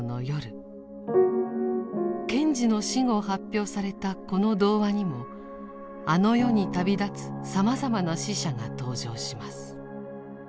賢治の死後発表されたこの童話にもあの世に旅立つさまざまな死者が登場します。